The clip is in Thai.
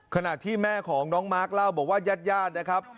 ขณะที่แม่ของน้องมาร์คเล่าบอกว่าญาติญาตินะครับ